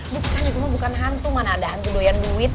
bukan di rumah bukan hantu mana ada hantu doyan duit